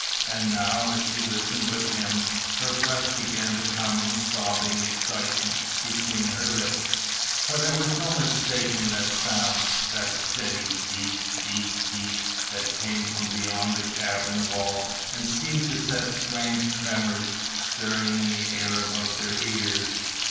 And now, as she listened with him, her breath began to come in sobbing excitement between her lips for there was no mistaking that sound, that steady beat beat beat that came from beyond the cavern wall and seemed to set strange tremors stirring in the air about their ears.